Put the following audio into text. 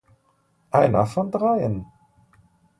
Einer von dreien!